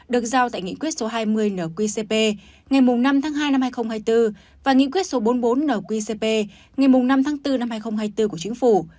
được giao tại nghị quyết số hai mươi nqcp ngày năm tháng hai năm hai nghìn hai mươi bốn và nghị quyết số bốn mươi bốn nqcp ngày năm tháng bốn năm hai nghìn hai mươi bốn của chính phủ